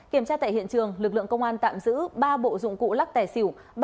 kiểm tra tại hiện trường lực lượng công an tạm giữ ba bộ dụng cụ lắc tài xỉu